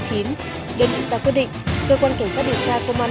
càng tội không chấp hành án